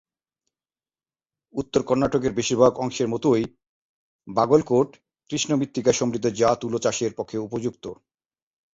উত্তর কর্ণাটকের বেশিরভাগ অংশের মতই, বাগলকোট কৃষ্ণমৃত্তিকায় সমৃদ্ধ যা তুলো চাষের পক্ষে উপযুক্ত।